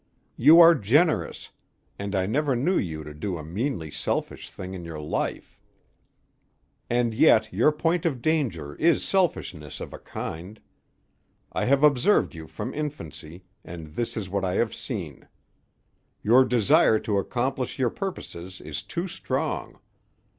"You are generous, and I never knew you to do a meanly selfish thing in your life. And yet your point of danger is selfishness of a kind. I have observed you from infancy, and this is what I have seen. Your desire to accomplish your purposes is too strong.